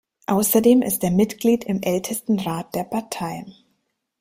Außerdem ist er Mitglied im Ältestenrat der Partei.